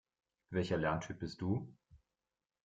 Welcher Lerntyp bist du?